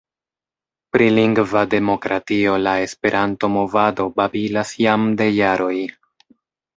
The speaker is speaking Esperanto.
Pri lingva demokratio la Esperanto-movado babilas jam de jaroj.